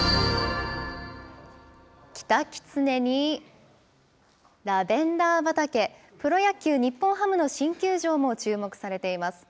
キタキツネにラベンダー畑、プロ野球・日本ハムの新球場も注目されています。